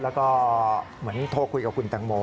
แล้วก็เหมือนโทรคุยกับคุณแตงโม